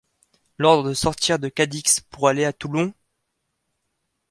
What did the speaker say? L'ordre de sortir de Cadix pour aller à Toulon ?